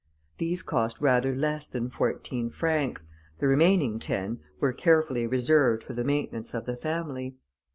These cost rather less than fourteen francs; the remaining ten were carefully reserved for the maintenance of the family.